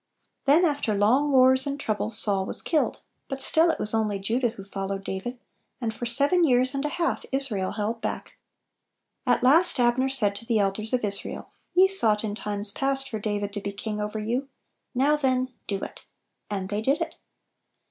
Then after long wars and trou bles Saul was killed. But still it was only Judah who followed David; and for seven years and a half Israel held back. At last Abner said to the elders of Israel, " Ye sought in times past for David to be king over you, Now then do it!" And they did it.